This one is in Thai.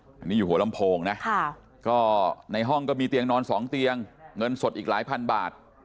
อันนี้อยู่หัวลำโพงนะก็ในห้องก็มีเตียงนอน๒เตียงเงินสดอีกหลายพันบาท